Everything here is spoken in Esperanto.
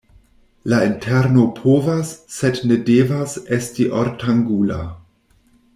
La interno povas, sed ne devas esti ortangula.